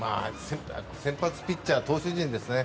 先発ピッチャー投手陣ですね。